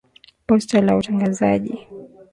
Posta la utangazaji.